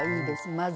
まず。